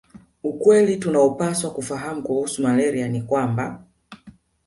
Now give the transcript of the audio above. Ukweli tunaopaswa kufahamu kuhusu malaria ni kwamba